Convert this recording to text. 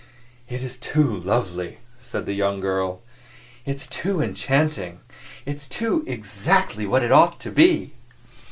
"It's too lovely," said the young girl; "it's too enchanting; it's too exactly what it ought to be!"